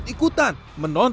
ya tapi bener bener